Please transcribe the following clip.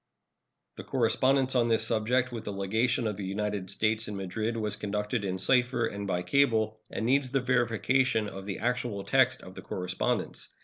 The correspondence on this subject with the legation of the United States in Madrid was conducted in cipher and by cable, and needs the verification of the actual text of the correspondence.